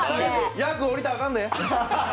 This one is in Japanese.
役降りたらあかんで。